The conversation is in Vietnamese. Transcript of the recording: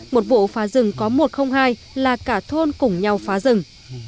một bộ phá rừng có một trăm linh hai là cả thôn cùng nhau phá rừng